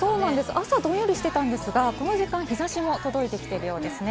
朝はどんよりしていたんですが、この時間、日差しも届いているようですね。